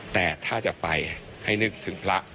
แต่ถ้าจะไปให้นึกถึงพระ